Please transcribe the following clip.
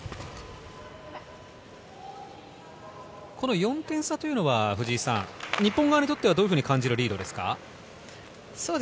４点差というのは日本側にとってはどういうふうに感じるリードですか？